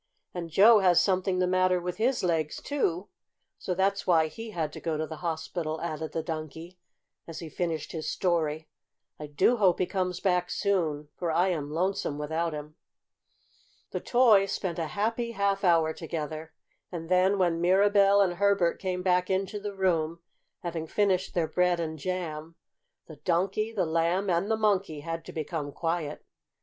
"And Joe had something the matter with his legs, too, so that's why he had to go to the hospital," added the Donkey, as he finished his story. "I do hope he comes back soon, for I am lonesome without him." The toys spent a happy half hour together, and then when Mirabell and Herbert came back into the room, having finished their bread and jam, the Donkey, the Lamb, and the Monkey had to become quiet.